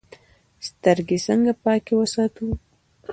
سترګې څنګه پاکې وساتو؟